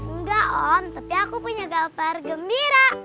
enggak om tapi aku punya gambar gembira